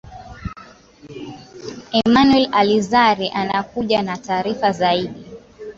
emanuel elizari anakuja na taarifa zaidi